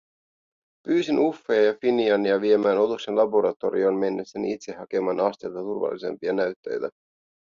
Pyysin Uffea ja Finiania viemään otuksen laboratorioon mennessäni itse hakemaan astetta turvallisempia näytteitä.